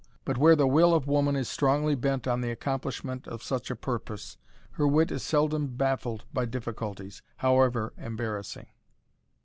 But where the will of woman is strongly bent on the accomplishment of such a purpose, her wit is seldom baffled by difficulties, however embarrassing.